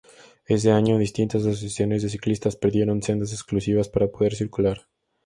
Ese año, distintas asociaciones de ciclistas pidieron sendas exclusivas para poder circular.